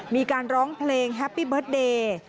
มีการร้องเพลงแฮปปี้เบิร์ตเดย์